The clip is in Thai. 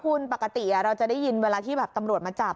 คุณปกติเราจะได้ยินเวลาที่แบบตำรวจมาจับ